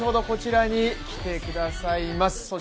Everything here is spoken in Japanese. こちらに来てくださいます。